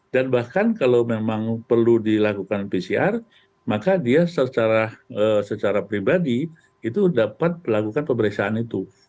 dan bahkan kalau memang perlu dilakukan pcr maka dia secara pribadi itu dapat melakukan pemeriksaan itu